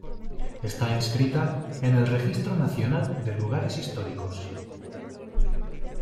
Está inscrita en el registro nacional de lugares históricos.